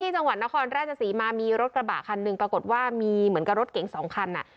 จังหวัดนครราชศรีมามีรถกระบะคันหนึ่งปรากฏว่ามีเหมือนกับรถเก๋งสองคันอ่ะ